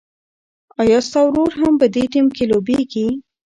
ایا ستا ورور هم په دې ټیم کې لوبېږي؟